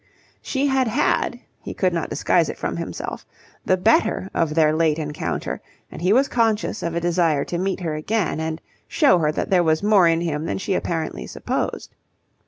She had had, he could not disguise it from himself, the better of their late encounter and he was conscious of a desire to meet her again and show her that there was more in him than she apparently supposed.